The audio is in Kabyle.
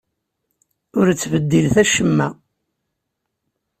Ur ttbeddilet acemma!